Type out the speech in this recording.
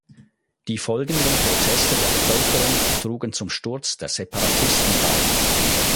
Die folgenden Proteste der Bevölkerung trugen zum Sturz der Separatisten bei.